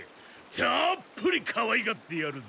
たっぷりかわいがってやるぜ。